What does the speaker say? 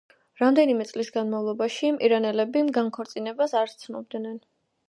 რამდენიმე წლის განმავლობაში ირანელები განქორწინებას არ სცნობდნენ.